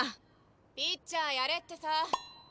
ピッチャーやれってさ。